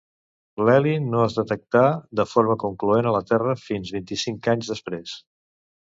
L'heli no es detectà de forma concloent a la Terra fins vint-i-cinc anys després.